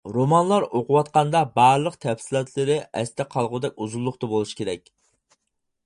رومانلار ئوقۇۋاتقاندا بارلىق تەپسىلاتلىرى ئەستە قالغۇدەك ئۇزۇنلۇقتا بولۇشى كېرەك.